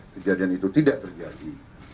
kejadian itu tidak terjadi